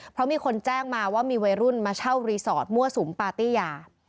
เพราะมีคนแจ้งมาว่ามีวัยรุ่นมาเช่ารีสอร์ทมั่วสุมปาร์ตี้ยา